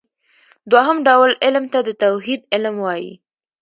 دوهم ډول علم ته د توحيد علم ويل کېږي .